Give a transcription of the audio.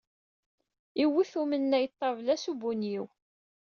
Iwet umennay ṭṭabla s ubunyiw.